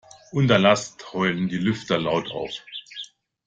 Unter Last heulen die Lüfter laut auf.